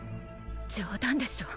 冗談でしょ。